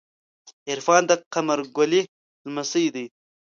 عرفان د قمر ګلی لمسۍ ده.